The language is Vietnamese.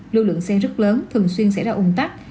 lưu lượng xe rất lớn thường xuyên xảy ra ủng tắc